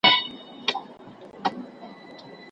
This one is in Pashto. په تاريخ کي ويل سوي دي چي لومړۍ پېړۍ يې ډېرې تاريکي وې.